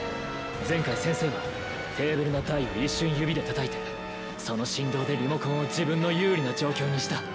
前回先生はテーブルの台を一瞬指でたたいてその振動でリモコンを自分の有利な状況にした。